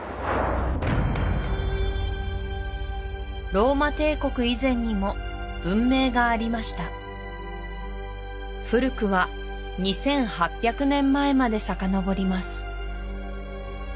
ローマ帝国以前にも文明がありました古くは２８００年前までさかのぼります